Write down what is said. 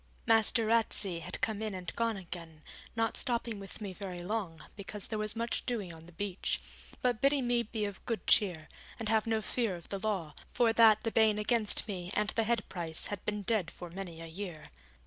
Master Ratsey had come in and gone again, not stopping with me very long, because there was much doing on the beach; but bidding me be of good cheer, and have no fear of the law; for that the ban against me and the head price had been dead for many a year.